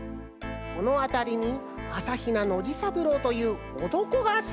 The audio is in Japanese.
このあたりにあさひなノジさぶろうというおとこがすんでおりました。